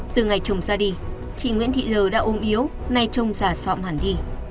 từ ngày trồng ra đi chị nguyễn thị lờ đã ôm yếu nay trông già sọm hẳn đi